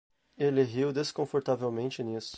Ele riu desconfortavelmente nisso.